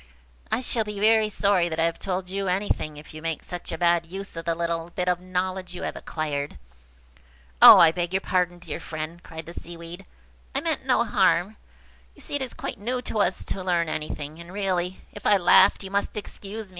"I shall be very sorry that I have told you anything, if you make such a bad use of the little bit of knowledge you have acquired." "Oh, I beg your pardon, dear friend!" cried the Seaweed. "I meant no harm. You see it is quite new to us to learn anything; and, really, if I laughed, you must excuse me.